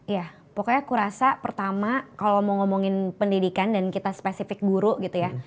ya pokoknya aku rasa pertama kalau mau ngomongin pendidikan dan kita spesifik guru gitu ya